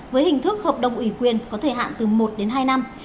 với hình thức hợp đồng ủy quyền có thời hạn từ một đến hai năm